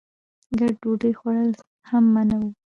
ګډ ډوډۍ خوړل هم منع وو.